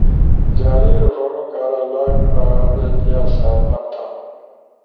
جاری رݜونو کارا لاگ ان یا سائن اپ تھا